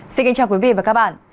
xin kính chào quý vị và các bạn